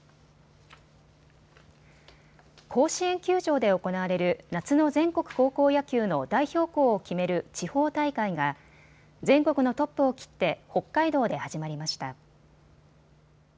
甲子園球場で行われる夏の全国高校野球の代表校を決める地方大会が全国のトップを切って北海道で始まりました。